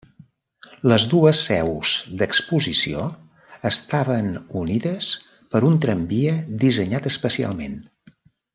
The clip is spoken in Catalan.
Les dues seus d'exposició estaven unides per un tramvia dissenyat especialment.